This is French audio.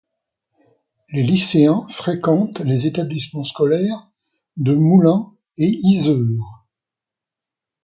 Les lycéens fréquentent les établissements scolaires de Moulins et Yzeure.